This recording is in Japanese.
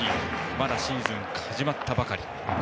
まだシーズンは始まったばかり。